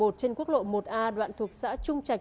trên quốc lộ một a đoạn thuộc xã trung trạch